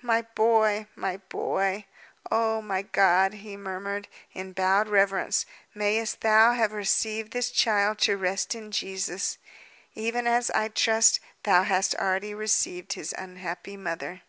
"My boy! my boy! Oh, my God!" he murmured, in bowed reverence, "mayest Thou have received this child to rest in Jesus, even as, I trust, Thou hadst already received his unhappy mother!"